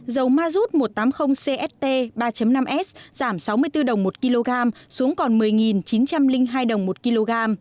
dầu mazut một trăm tám mươi cst ba năm s giảm sáu mươi bốn đồng một kg xuống còn một mươi chín trăm linh hai đồng một kg